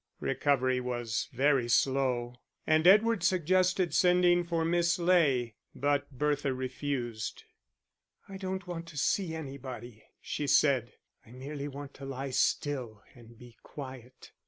Recovery was very slow, and Edward suggested sending for Miss Ley, but Bertha refused. "I don't want to see anybody," she said; "I merely want to lie still and be quiet."